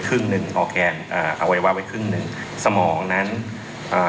ครึ่งหนึ่งออร์แกนอ่าอวัยวะไว้ครึ่งหนึ่งสมองนั้นอ่า